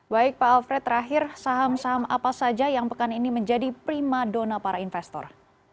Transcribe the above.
baik pak alfred terakhir saham saham apa saja yang pekan ini menjadi prima dona para investor